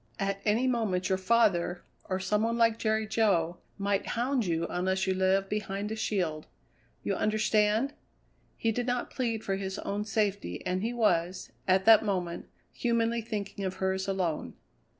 At any moment your father, or some one like Jerry Jo, might hound you unless you live behind a shield. You understand?" He did not plead for his own safety, and he was, at that moment, humanly thinking of hers alone.